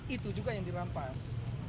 itu juga yang dirampas